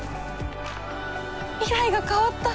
未来が変わった！